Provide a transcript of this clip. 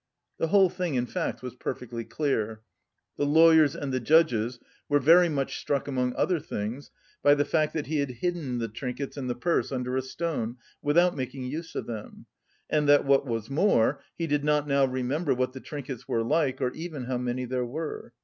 The whole thing, in fact, was perfectly clear. The lawyers and the judges were very much struck, among other things, by the fact that he had hidden the trinkets and the purse under a stone, without making use of them, and that, what was more, he did not now remember what the trinkets were like, or even how many there were.